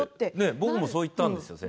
僕もそう思ったんですよ。